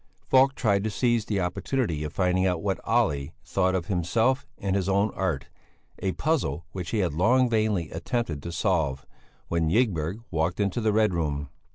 Falk tried to seize the opportunity of finding out what Olle thought of himself and his own art, a puzzle which he had long vainly attempted to solve, when Ygberg walked into the Red Room.